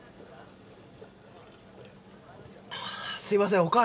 すいません。